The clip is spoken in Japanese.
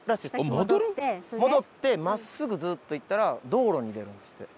戻って真っすぐずっと行ったら道路に出るんですって。